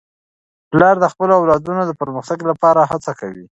پلار د خپلو اولادونو د پرمختګ لپاره هڅه کوي.